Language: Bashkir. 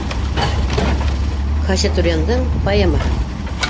Хачатуряндың «Поэма»һы.